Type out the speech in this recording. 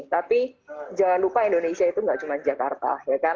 tapi jangan lupa indonesia itu tidak cuma jakarta